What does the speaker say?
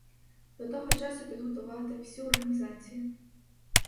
До того часу підготувати всю організацію.